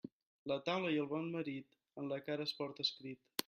La taula i el bon marit, en la cara es porta escrit.